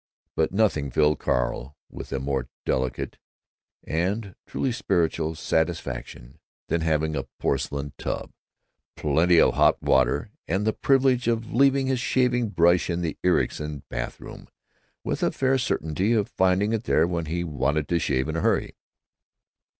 But nothing filled Carl with a more delicate—and truly spiritual—satisfaction than having a porcelain tub, plenty of hot water, and the privilege of leaving his shaving brush in the Ericson bath room with a fair certainty of finding it there when he wanted to shave in a hurry.